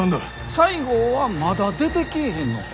西郷はまだ出てきぃひんのか？